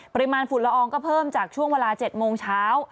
ปริมาณฝุ่นละอองก็เพิ่มจากช่วงเวลา๗โมงเช้า